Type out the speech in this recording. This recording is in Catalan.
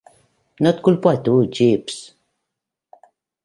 No et culpo a tu, Jeeves.